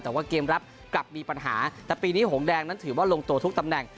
แต่ว่าเกมรับกลับมีปัญหาแต่ปีนี้หงแดงนั้นถือว่าลงตัวทุกตำแหน่ง